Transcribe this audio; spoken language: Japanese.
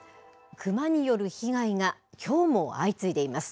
熊による被害がきょうも相次いでいます。